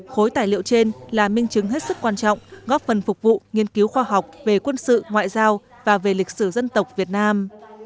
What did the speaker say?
khối tài liệu trên là minh chứng hết sức quan trọng góp phần phục vụ nghiên cứu khoa học về quân sự ngoại giao và về lịch sử dân tộc việt nam